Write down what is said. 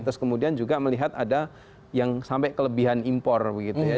terus kemudian juga melihat ada yang sampai kelebihan impor begitu ya